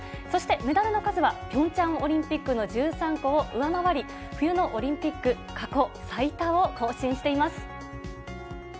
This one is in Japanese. そしてメダルの数は、ピョンチャンオリンピックの１３個を上回り、冬のオリンピック過